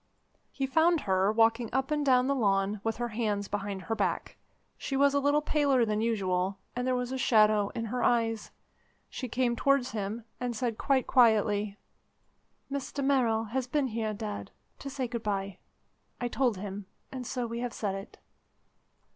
He found her walking up and down the lawn with her hands behind her back. She was a little paler than usual, and there was a shadow in her eyes. She came towards him, and said quite quietly: "Mr Merrill has been here, Dad, to say good bye. I told him, and so we have said it."